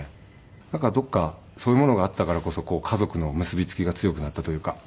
だからどこかそういうものがあったからこそ家族の結びつきが強くなったというか。